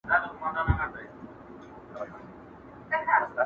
اسمان ته مي خاته ناشوني نه دی